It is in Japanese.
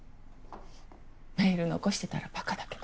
メール残してたらバカだけど。